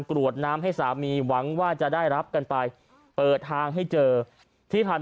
กรวดน้ำให้สามีหวังว่าจะได้รับกันไปเปิดทางให้เจอที่ผ่านมา